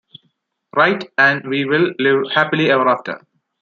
Right, and we will live happily ever after.